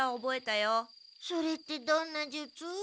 それってどんな術？